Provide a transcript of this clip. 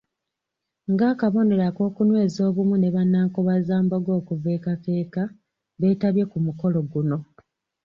Ng’akabonero akanyweza obumu ne bannankobazambogo okuva e Kakeeka beetabye ku mukolo guno.